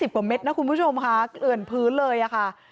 กว่าเม็ดนะคุณผู้ชมค่ะเกลื่อนพื้นเลยอะค่ะ